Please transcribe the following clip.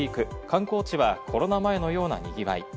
観光地はコロナ前のようなにぎわい。